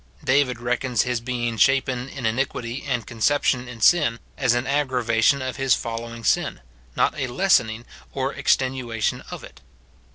David reckons his being shapen in iniquity and conception in sin * as an aggravation of his following sin, not a lessen ing or extenuation of it.